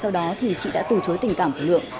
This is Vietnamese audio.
sau đó thì chị đã từ chối tình cảm của lượng